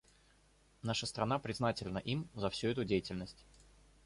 Наша страна признательна им за всю эту деятельность.